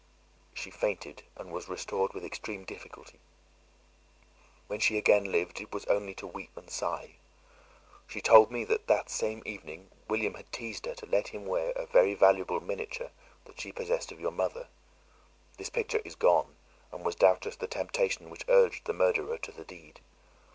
"She fainted, and was restored with extreme difficulty. When she again lived, it was only to weep and sigh. She told me, that that same evening William had teased her to let him wear a very valuable miniature that she possessed of your mother. This picture is gone, and was doubtless the temptation which urged the murderer to the deed.